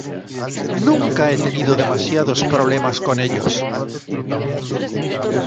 Nunca he tenido demasiados problemas con ellos".